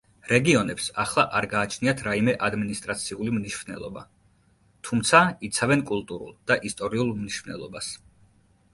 რეგიონებს ახლა არ გააჩნიათ რაიმე ადმინისტრაციული მნიშვნელობა, თუმცა იცავენ კულტურულ და ისტორიულ მნიშვნელობას.